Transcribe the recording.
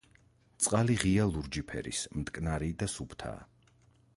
წყალი ღია ლურჯი ფერის, მტკნარი და სუფთაა.